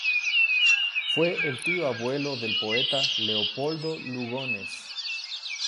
Fue el tío abuelo del poeta Leopoldo Lugones.